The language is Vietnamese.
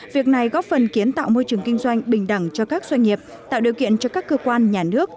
việc này góp phần kiến tạo môi trường kinh doanh bình đẳng cho các doanh nghiệp tạo điều kiện cho các cơ quan nhà nước